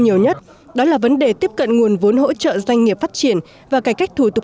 nhiều nhất đó là vấn đề tiếp cận nguồn vốn hỗ trợ doanh nghiệp phát triển và cải cách thủ tục